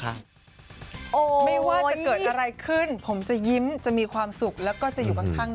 ไม่ว่าจะเกิดอะไรขึ้นผมจะยิ้มจะมีความสุขแล้วก็จะอยู่ข้าง